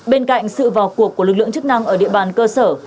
bên cạnh sự vào cuộc của lực lượng chức năng ở địa bàn cơ sở